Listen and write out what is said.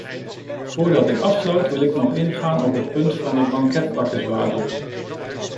Voordat ik afsluit wil ik nog ingaan op het punt van de banketbakkerswaren.